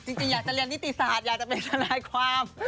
จริงอยากจะเรียนนิติศาสตร์อยากจะเป็นทนายความ